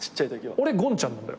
俺「ゴンちゃん」なんだよ。